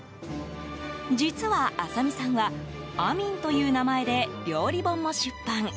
実は、麻美さんはあみんという名前で料理本も出版。